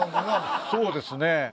そうですね。